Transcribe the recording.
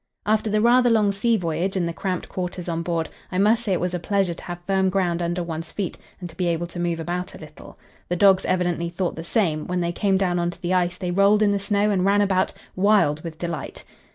After the rather long sea voyage, and the cramped quarters on board, I must say it was a pleasure to have firm ground under one's feet and to be able to move about a little. The dogs evidently thought the same; when they came down on to the ice, they rolled in the snow and ran about, wild with delight.